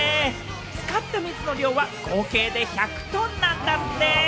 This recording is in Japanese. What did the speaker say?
使った水の量は合計で１００トンなんだって！